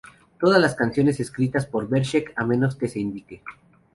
Todas las canciones escritas por Berserk a menos que se indique.